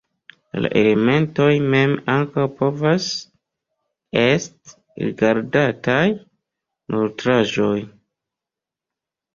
La elementoj mem ankaŭ povas est rigardataj nutraĵoj.